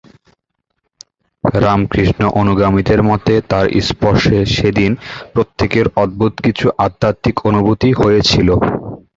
রামকৃষ্ণ-অনুগামীদের মতে, তাঁর স্পর্শে সেদিন প্রত্যেকের অদ্ভুত কিছু আধ্যাত্মিক অনুভূতি হয়েছিল।